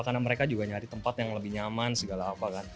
karena mereka juga nyari tempat yang lebih nyaman segala apa kan